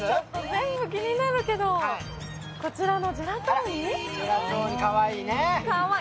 全部気になるけど、こちらのジェラトーニ、かわいい。